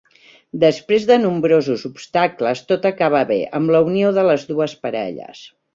Després de nombrosos obstacles, tot acaba bé, amb la unió de les dues parelles.